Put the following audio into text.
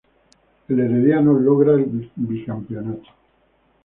El Herediano logra el bicampeonato.